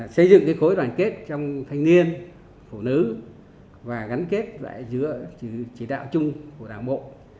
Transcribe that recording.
xây dựng khối đoàn kết trong thanh niên phụ nữ và gắn kết lại giữa chỉ đạo chung của đảng bộ